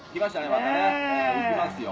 またね行きますよ